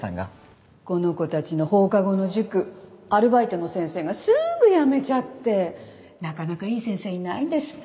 この子たちの放課後の塾アルバイトの先生がすぐ辞めちゃってなかなかいい先生いないんですって。